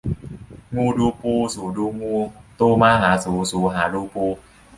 งูดูปู สูดูงู ตูมาหาสู สูหารูปู